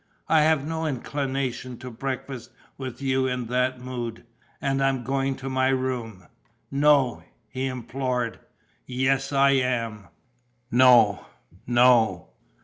I have no inclination to breakfast with you in that mood. And I'm going to my room." "No," he implored. "Yes, I am." "No, no!"